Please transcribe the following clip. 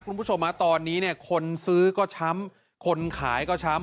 คุณผู้ชมตอนนี้เนี่ยคนซื้อก็ช้ำคนขายก็ช้ำ